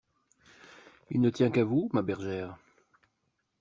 Il ne tient qu'à vous, ma bergère!